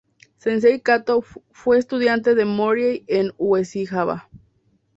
Sensei Kato fue estudiante de Morihei Ueshiba.